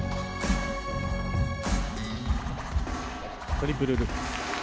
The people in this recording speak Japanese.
トリプルルッツ。